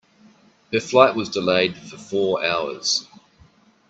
Her flight was delayed for four hours.